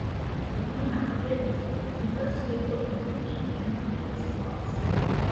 The pronoun "it" refers to the equipment mentioned in the previous clause.